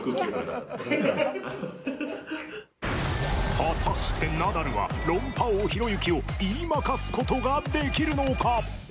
果たして、ナダルは論破王ひろゆきを言い負かすことができるのか？